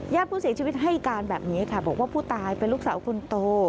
ผู้เสียชีวิตให้การแบบนี้ค่ะบอกว่าผู้ตายเป็นลูกสาวคนโต